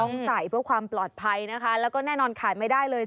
ต้องใส่เพื่อความปลอดภัยนะคะแล้วก็แน่นอนขายไม่ได้เลย